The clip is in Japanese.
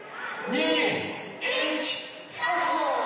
２１スタート！